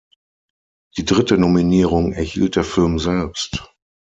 Die dritte Nominierung erhielt der Film selbst.